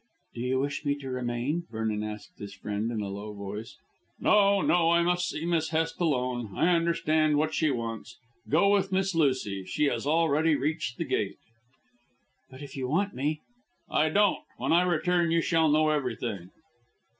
"Do you wish me to remain?" Vernon asked his friend in a low voice. "No, no. I must see Miss Hest alone. I understand what she wants. Go with Miss Lucy. She has already reached the gate." "But if you want me " "I don't. When I return you shall know everything."